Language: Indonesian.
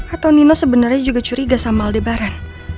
atau nino sebenarnya juga curiga sama aldebara